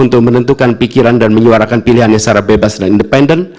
untuk menentukan pikiran dan menyuarakan pilihannya secara bebas dan independen